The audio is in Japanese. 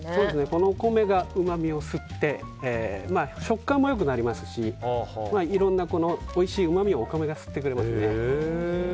このお米がうまみを吸って食感も良くなりますしいろんなおいしいうまみをお米が吸ってくれますね。